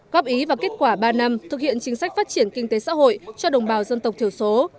góp ý và kết quả ba năm thực hiện chính sách phát triển kinh tế xã hội cho đồng bào dân tộc thiểu số